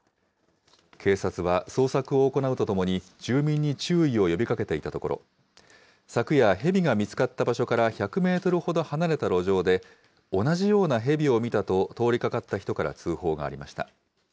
警察は、捜索を行うとともに、住民に注意を呼びかけていたところ、昨夜、ヘビが見つかった場所から１００メートルほど離れた路上で、同じようなヘビを見たと、通りかかった人から通報がありました。